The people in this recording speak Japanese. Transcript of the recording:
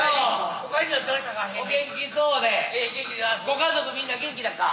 ご家族みんな元気だっか？